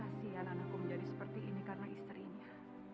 kasian anakku menjadi seperti ini karena istrinya